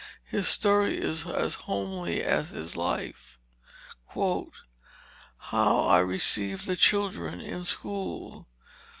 His story is as homely as his life: "HOW I RECEIVE THE CHILDREN IN SCHOOL.